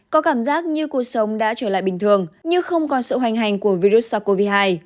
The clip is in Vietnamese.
có cảm giác như cuộc sống đã trở lại bình thường nhưng không còn sự hoành hành của virus sars cov hai